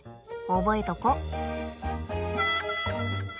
覚えとこ。